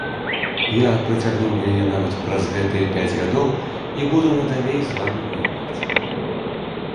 Я працягнуў яе нават праз гэтыя пяць гадоў і буду надалей з вамі ваяваць.